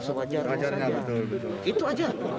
belajarnya itu aja